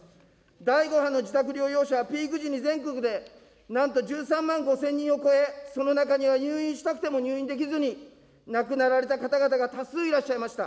第５波の自宅療養者はピーク時に全国でなんと１３万５０００人を超え、その中には入院したくても入院できずに、亡くなられた方々が多数いらっしゃいました。